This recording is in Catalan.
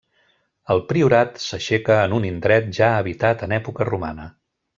El priorat s'aixeca en un indret ja habitat en època romana.